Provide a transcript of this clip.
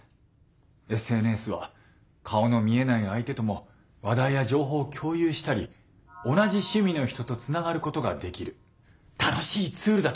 ＳＮＳは顔の見えない相手とも話題や情報を共有したり同じ趣味の人とつながることができる楽しいツールだと私も思います。